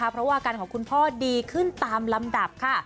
เพราะว่าอาการของคุณพ่อดีขึ้นตามลำดับค่ะ